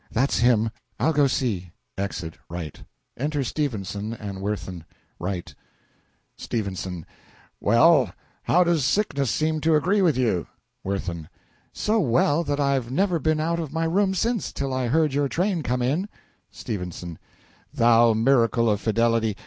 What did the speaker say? That's him. I'll go see. (Exit. R.) Enter STEPHENSON and WIRTHIN. R. S. Well, how does sickness seem to agree with you? WIRTHIN. So well that I've never been out of my room since, till I heard your train come in. S. Thou miracle of fidelity!